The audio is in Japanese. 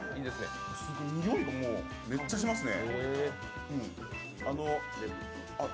においがもうめっちゃしますね。